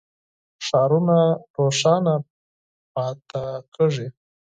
ښارونه روښانه پاتې کېږي.